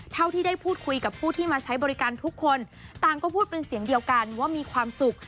เท่าที่ได้พูดคุยกับผู้ที่มาใช้บริการทุกคนต่างก็พูดเป็นเสียงเดียวกันว่ามีความสุข